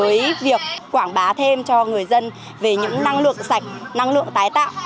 với việc quảng bá thêm cho người dân về những năng lượng sạch năng lượng tái tạo